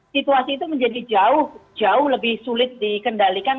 situasi itu menjadi jauh lebih sulit dikendalikan